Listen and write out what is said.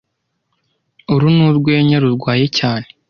Uru ni urwenya rurwaye cyane